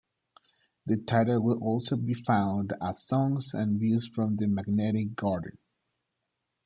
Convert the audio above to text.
The title will also be found as "Songs and Views from the Magnetic Garden".